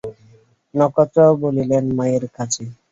নক্ষত্র বলিলেন, মায়ের কাছে।